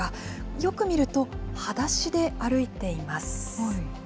よく見ると、はだしで歩いています。